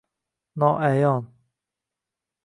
Noayon